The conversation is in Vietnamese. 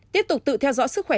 tiếp tục tự theo dõi sức khỏe